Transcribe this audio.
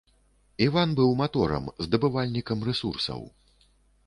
Іван быў маторам, здабывальнікам рэсурсаў.